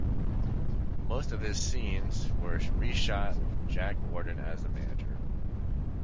Most of his scenes were re-shot with Jack Warden as the manager.